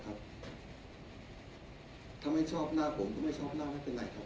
ถ้าไม่ชอบหน้าผมก็ไม่ชอบหน้าไม่เป็นไรครับ